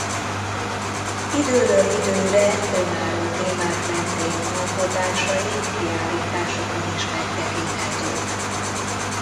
Időről időre önálló témák mentén alkotásai kiállításokon is megtekinthetők.